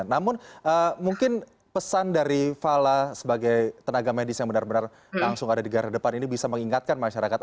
namun mungkin pesan dari fala sebagai tenaga medis yang benar benar langsung ada di gara depan ini bisa mengingatkan masyarakat